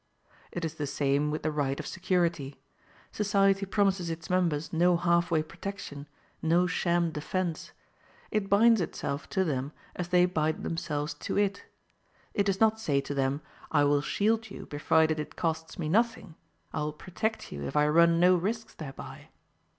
It is the same with the right of security. Society promises its members no half way protection, no sham defence; it binds itself to them as they bind themselves to it. It does not say to them, "I will shield you, provided it costs me nothing; I will protect you, if I run no risks thereby."